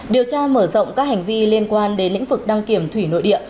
điều tra mở rộng các hành vi liên quan đến lĩnh vực đăng kiểm thủy nội địa